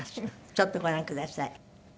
ちょっとご覧ください。